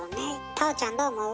太鳳ちゃんどう思う？